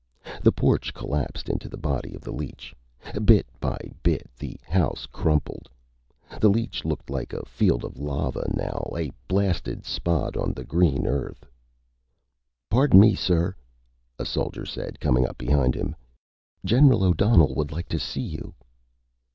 The porch collapsed into the body of the leech. Bit by bit, the house crumpled. The leech looked like a field of lava now, a blasted spot on the green Earth. "Pardon me, sir," a soldier said, coming up behind him. "General O'Donnell would like to see you."